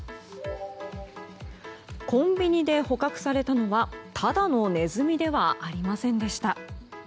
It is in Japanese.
コンビニで捕獲されたのはただのネズミではありませんでした。